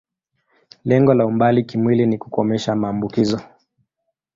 Lengo la umbali kimwili ni kukomesha maambukizo.